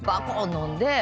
飲んで。